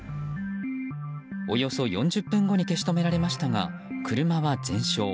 およそ４０分後に消し止められましたが車は全焼。